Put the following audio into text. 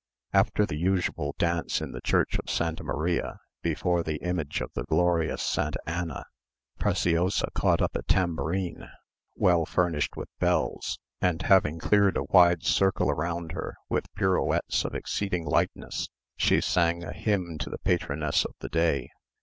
After the usual dance in the church of Santa Maria, before the image of the glorious Santa Anna, Preciosa caught up a tambourine, well furnished with bells, and having cleared a wide circle around her with pirouettes of exceeding lightness, she sang a hymn to the patroness of the day.